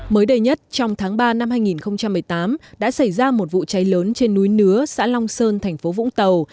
mới đây nhất trong tháng ba năm hai nghìn một mươi tám đã xảy ra một vụ cháy lớn trên núi nứa xã long sơn thành phố vũng tàu